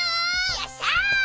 よっしゃ！